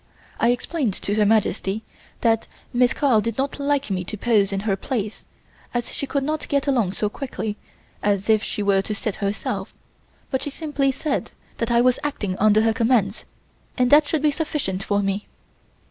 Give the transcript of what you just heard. I explained to Her Majesty that Miss Carl did not like me to pose in her place, as she could not get along so quickly as if she were to sit herself; but she simply said that I was acting under her commands, and that should be sufficient for me.